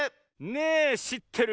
「ねぇしってる？」